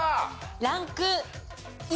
ランク１。